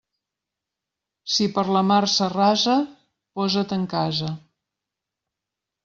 Si per la mar s'arrasa, posa't en casa.